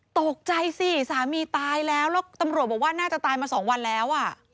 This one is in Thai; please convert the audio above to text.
ตกใจสิสามีตายแล้วแล้วตำรวจบอกว่าน่าจะตายมา๒วันแล้วอ่ะ